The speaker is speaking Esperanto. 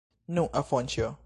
Nu, Afonĉjo!